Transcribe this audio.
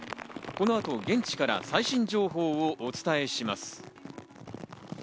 この後、現地から最新情報をお伝えします。